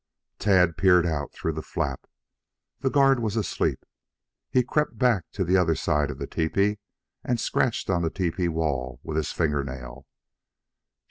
Tad peered out through the flap. The guard was asleep. He crept back to the other side of the tepee and scratched on the tepee wall with his finger nail.